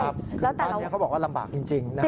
บ้านนี้เขาบอกว่าลำบากจริง